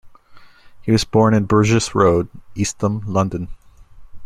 He was born in Burges Road, East Ham, London.